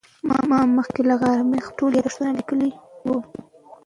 ما مخکې له غرمې خپل ټول یادښتونه لیکلي وو.